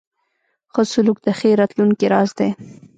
ښه سلوک د ښې راتلونکې راز دی.